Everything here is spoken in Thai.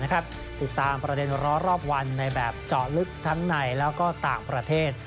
ติดตามประเด็นร้อนรอบวันในแบบเจาะลึกทั้งในแล้วก็ต่างประเทศ